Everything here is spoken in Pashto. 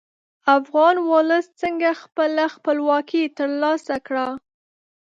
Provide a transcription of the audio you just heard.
افغان ولس څنګه خپله خپلواکي تر لاسه کړه.